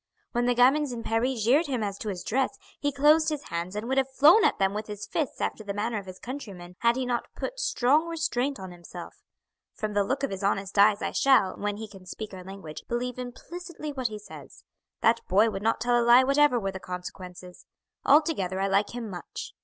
When the gamins in Paris jeered him as to his dress, he closed his hands and would have flown at them with his fists after the manner of his countrymen had he not put strong restraint on himself. From the look of his honest eyes I shall, when he can speak our language, believe implicitly what he says. That boy would not tell a lie whatever were the consequences. Altogether I like him much.